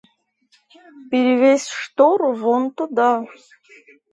Перевесь штору вон туда!